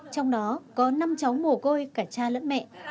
trong đó có năm cháu mồ côi cả cha lẫn mẹ